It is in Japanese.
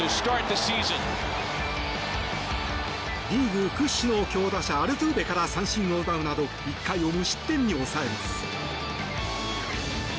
リーグ屈指の強打者アルトゥーベから三振を奪うなど１回を無失点に抑えます。